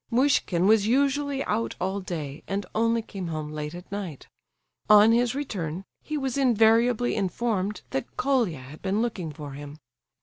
Muishkin was usually out all day, and only came home late at night. On his return he was invariably informed that Colia had been looking for him.